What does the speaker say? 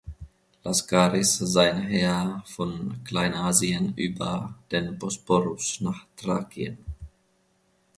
Laskaris sein Heer von Kleinasien über den Bosporus nach Thrakien.